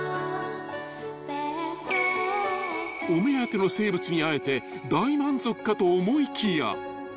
［お目当ての生物に会えて大満足かと思いきや］